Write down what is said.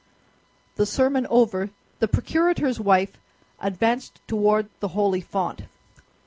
The sermon over, the procurator's wife advanced toward the holy font.